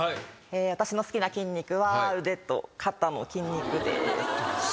私の好きな筋肉は腕と肩の筋肉です。